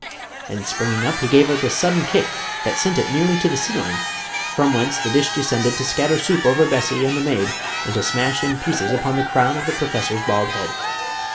And springing up he gave it a sudden kick that sent it nearly to the ceiling, from whence the dish descended to scatter soup over Bessie and the maid and to smash in pieces upon the crown of the professor's bald head.